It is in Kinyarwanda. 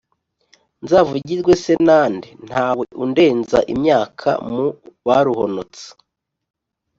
Nzavugirwe se na nde Ntawe undenza imyaka Mu baruhonotse